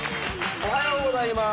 おはようございます。